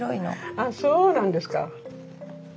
あそうなんですか。